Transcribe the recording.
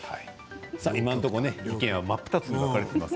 今のところ意見真っ二つに分かれています。